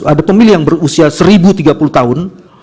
ada pemilih yang berusia satu tiga puluh tahun